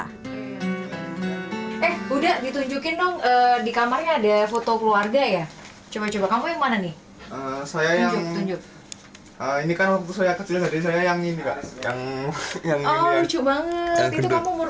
eh udah ditunjukin dong di kamarnya ada foto keluarga ya coba coba kamu yang mana nih saya kecil banget